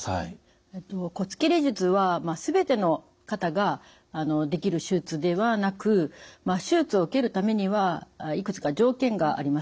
骨切り術は全ての方ができる手術ではなく手術を受けるためにはいくつか条件があります。